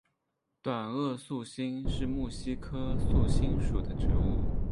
短萼素馨是木犀科素馨属的植物。